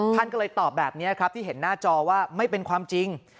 ท่านก็เลยตอบแบบนี้ครับที่เห็นหน้าจอว่าไม่เป็นความจริง